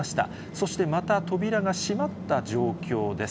そしてまた扉が閉まった状況です。